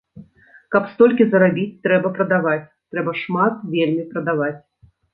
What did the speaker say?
Каб столькі зарабіць трэба прадаваць, трэба шмат вельмі прадаваць.